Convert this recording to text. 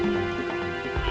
aku akan menghina kau